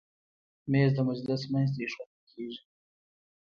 مېز د مجلس منځ ته ایښودل کېږي.